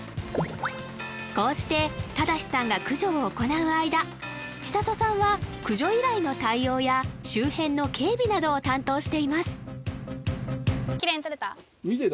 こうして周士さんが駆除を行う間千沙都さんは駆除依頼の対応や周辺の警備などを担当しています